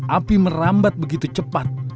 api merambat begitu cepat